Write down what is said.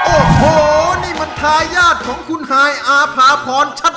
โอ้โหนี่มันทายาทของคุณฮายอาภาพรชัด